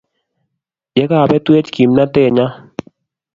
Ye kabetwech kimnatennyo